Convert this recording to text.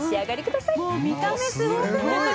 もう見た目すごくない？